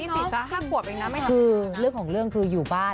นี่สิทธิ์ค่ะถ้าปวบเองนะไม่ทำสิทธิ์คือเรื่องของเรื่องคืออยู่บ้าน